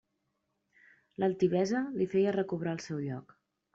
L'altivesa li feia recobrar el seu lloc.